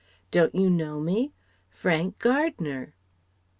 Don't you know me? Frank Gardner!"